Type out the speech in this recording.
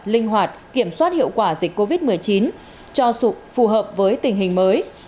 linh hoạt kiểm soát hiệu quả dịch covid một mươi chín cho phù hợp với tình hình mới